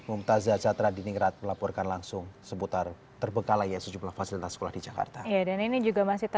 bumtaz zajatra di ningrat melaporkan langsung seputar terbegitu